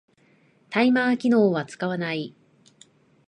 タイマー機能は使わない